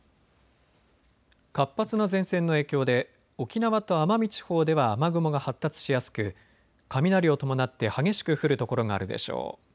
活発な前線の影響で沖縄と奄美地方では雨雲が発達しやすく雷を伴って激しく降る所があるでしょう。